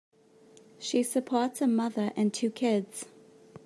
She supports a mother and two kids.